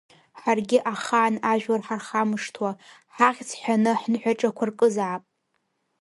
Ҳаргьы ахаан ажәлар ҳархамышҭуа, ҳахьӡ ҳәаны ҳныҳәаҿақәа ркызаап.